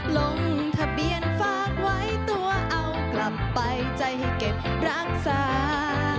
ลงทะเบียนฝากไว้ตัวเอากลับไปใจให้เก็บรักษา